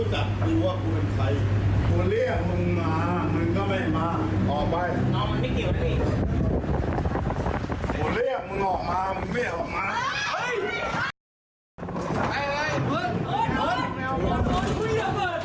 เฮ้ย